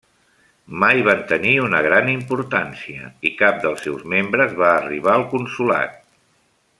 Mai van tenir una gran importància, i cap dels seus membres va arribar al consolat.